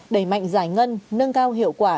đẩy mạnh giải ngân nâng cao hiệu quả